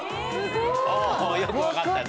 よく分かったね。